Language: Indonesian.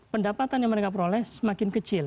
pendapatan yang mereka peroleh semakin kecil